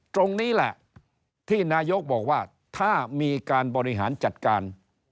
ตรงนี้แหละที่นายกบอกว่าถ้ามีการบริหารจัดการ